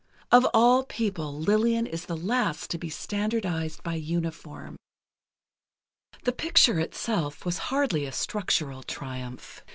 Of all people, Lillian is the last to be standardized by uniform. The picture itself was hardly a structural triumph.